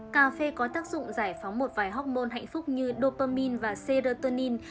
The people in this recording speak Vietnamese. cà phê có tác dụng giải phóng một vài học môn hạnh phúc như dopamine và serotonin